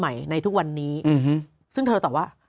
ผู้หญิงรุ่นใหม่ในทุกวันนี้ซึ่งเธอต่อว่า